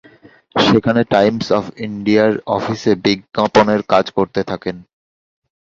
সেখানে "Times of ইন্ডিয়া"-র অফিসে বিজ্ঞাপনের কাজ করতে থাকেন।